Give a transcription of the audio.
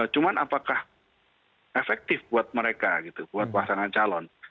cuman apakah efektif buat mereka gitu buat pasangan calon